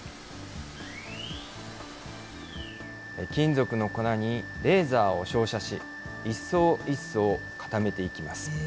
金属の粉にレーザーを照射し、一層一層、固めていきます。